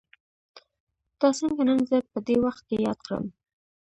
تا څنګه نن زه په دې وخت کې ياد کړم.